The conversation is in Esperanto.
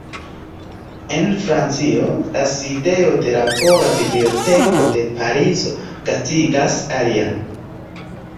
En Francio, la sidejo de la Pola Biblioteko de Parizo gastigas alian.